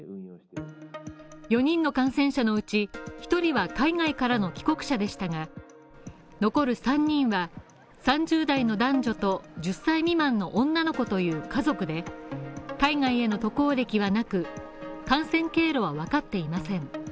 ４人の感染者のうち１人は海外からの帰国者でしたが、残る３人は３０代の男女と１０歳未満の女の子という家族で海外への渡航歴はなく感染経路はわかっていません。